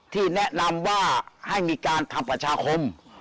ที่แนะนำว่าให้มีการทำประชาคม